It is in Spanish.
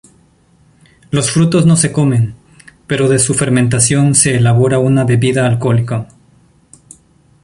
Los frutos no se comen, pero de su fermentación se elabora una bebida alcohólica.